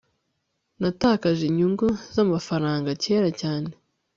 natakaje inyungu zamafaranga kera cyane